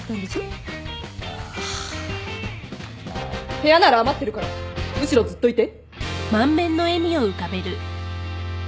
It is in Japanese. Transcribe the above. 部屋なら余ってるからむしろずっといて。